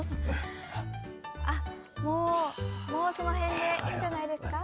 もうその辺でいいじゃないですか。